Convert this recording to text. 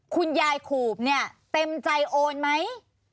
คุณยายขูบเนี่ยเต็มใจโอนไหม